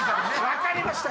分かりました。